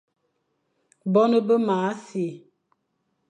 Boñe be mana si,